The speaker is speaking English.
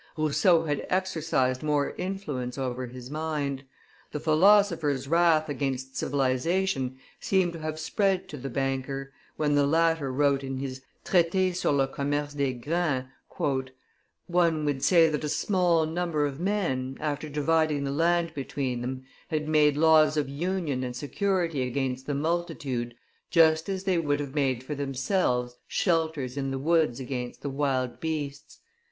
Rousseau had exercised more influence over his mind; the philosopher's wrath against civilization seemed to have spread to the banker, when the latter wrote in his Traite sur le commerce des grains, "One would say that a small number of men, after dividing the land between them, had made laws of union and security against the multitude, just as they would have made for themselves shelters in the woods against the wild beasts.